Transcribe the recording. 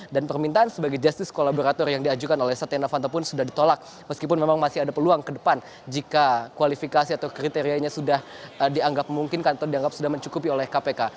dan permintaan sebagai justice collaborator yang diajukan oleh setia novanto pun sudah ditolak meskipun memang masih ada peluang ke depan jika kualifikasi atau kriterianya sudah dianggap memungkinkan atau dianggap sudah mencukupi oleh kpk